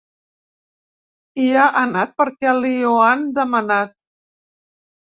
Hi ha anat perquè li ho han demanat.